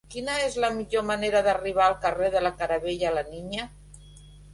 Quina és la millor manera d'arribar al carrer de la Caravel·la La Niña?